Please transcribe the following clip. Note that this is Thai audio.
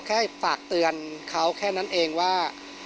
แค่ฝากเตือนเขาแค่นั้นเองว่า